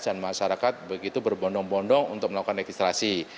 dan masyarakat begitu berbondong bondong untuk melakukan registrasi